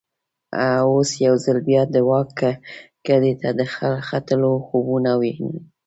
اوس یو ځل بیا د واک ګدۍ ته د ختلو خوبونه ویني.